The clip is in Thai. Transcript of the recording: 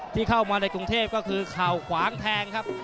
ที่เข้ามาในกรุงเทพก็คือเข่าขวางแทงครับ